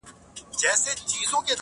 خو ده ويله چي په لاره کي خولگۍ نه غواړم